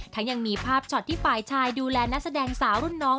ยังมีภาพช็อตที่ฝ่ายชายดูแลนักแสดงสาวรุ่นน้อง